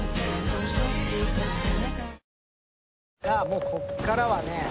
さあもうこっからはね。